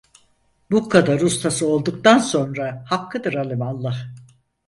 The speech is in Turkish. Bu kadar ustası olduktan sonra hakkıdır alimallah…